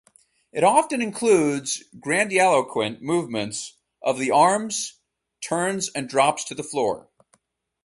It often includes grandiloquent movements of the arms, turns and drops to the floor.